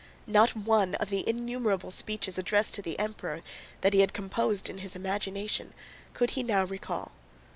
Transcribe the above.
Not one of the innumerable speeches addressed to the Emperor that he had composed in his imagination could he now recall.